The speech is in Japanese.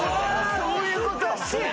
そういうことね。